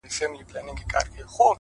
• هغه بل پر جواهرو هنرونو,